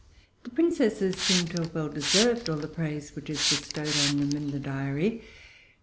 The princesses seem to have well deserved all the praise which is bestowed on them in the Diary.